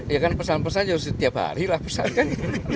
ya kan pesan pesan ya setiap hari lah pesan kan